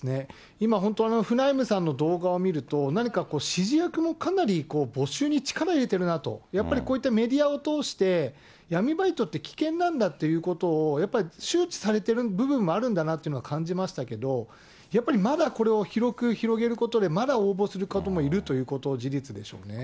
今本当に、フナイムさんの動画を見ると、何かこう、指示役もかなり募集に力入れてるなと、やっぱりこういったメディアを通して、闇バイトって危険なんだっていうことを、やっぱり周知されてる部分もあるんだなっていうのは感じましたけど、やっぱりまだ広く広げることで、まだ応募する方がいるということ事実でしょうね。